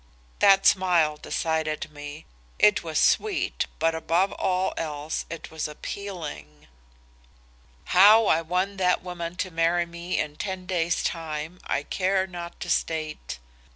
That smile decided me. It was sweet but above all else it was appealing. "How I won that woman to marry me in ten days time I care not to state.